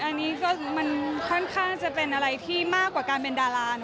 อันนี้ก็มันค่อนข้างจะเป็นอะไรที่มากกว่าการเป็นดารา